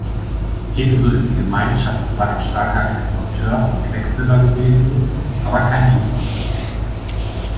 Ebenso ist die Gemeinschaft zwar ein starker Exporteur von Quecksilber gewesen, aber kein Importeur.